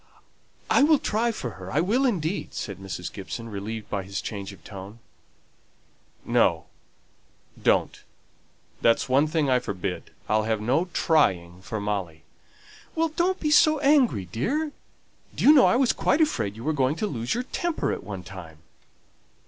"I will try for her; I will indeed," said Mrs. Gibson, relieved by his change of tone. "No, don't. That's one thing I forbid. I'll have no 'trying' for Molly." "Well, don't be angry, dear! Do you know I was quite afraid you were going to lose your temper at one time."